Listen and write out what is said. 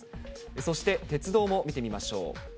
そして、鉄道も見てみましょう。